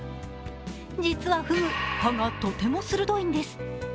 実はフグ、歯がとても鋭いんです。